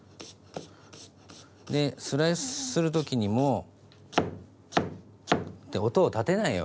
でスライスする時にも。って音を立てないように。